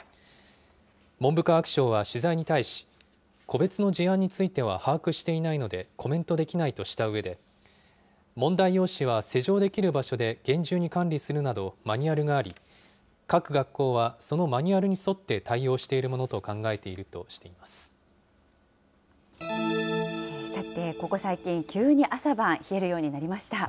文部科学省は取材に対し、個別の事案については把握していないのでコメントできないとしたうえで、問題用紙は施錠できる場所で厳重に管理するなど、マニュアルがあり、各学校はそのマニュアルに沿って対応しているものと考えていさて、ここ最近、急に朝晩、冷えるようになりました。